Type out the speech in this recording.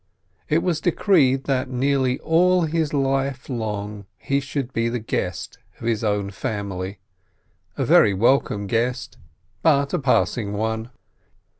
It was decreed that nearly all his life long he should be the guest of his own family, a very welcome guest, but a passing one.